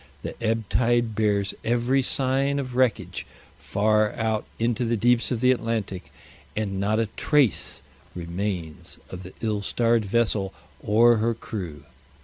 The ebb tide bears every sign of wreckage far out into the deeps of the Atlantic, and not a trace remains of the ill starred vessel or her crew.